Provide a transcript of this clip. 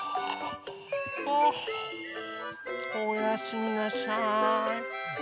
あおやすみなさい。